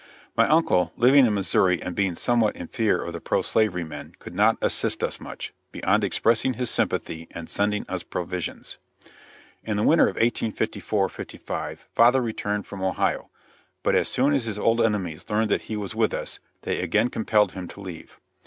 My uncle, living in Missouri and being somewhat in fear of the pro slavery men, could not assist us much, beyond expressing his sympathy and sending us provisions. In the winter of 1854 55 father returned from Ohio, but as soon as his old enemies learned that he was with us, they again compelled him to leave.